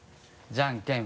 じゃんけん。